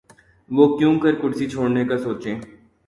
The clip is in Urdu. وہ کیونکر کرسی چھوڑنے کا سوچیں؟